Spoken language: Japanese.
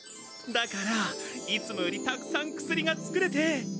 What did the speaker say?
だからいつもよりたくさん薬が作れて。